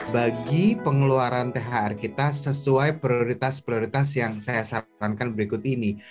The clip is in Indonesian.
bagi pengeluaran thr kita sesuai prioritas prioritas yang saya sarankan berikut ini